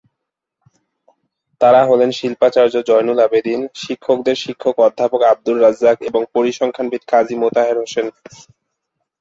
তারা হলেন, শিল্পাচার্য জয়নুল আবেদীন, শিক্ষকদের শিক্ষক অধ্যাপক আবদুর রাজ্জাক এবং পরিসংখ্যানবিদ কাজী মোতাহার হোসেন।